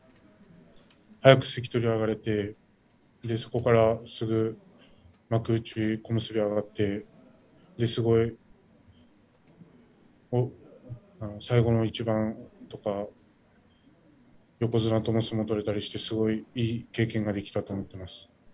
早く関取に上がれてそこからすぐ幕内、小結に上がってすごい最後の一番とか横綱とも相撲を取れたりしてすごくいい経験ができたと思っています。